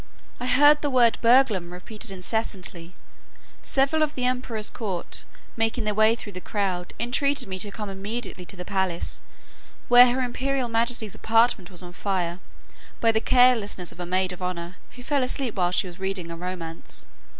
I heard the word Burglum repeated incessantly: several of the emperor's court, making their way through the crowd, entreated me to come immediately to the palace, where her imperial majesty's apartment was on fire, by the carelessness of a maid of honour, who fell asleep while she was reading a romance.